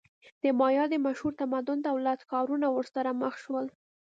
د مایا د مشهور تمدن دولت-ښارونه ورسره مخ شول.